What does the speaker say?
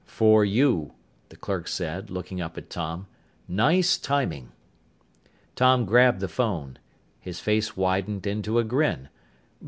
"For you," the clerk said, looking up at Tom. "Nice timing!" Tom grabbed the phone. His face widened into a grin.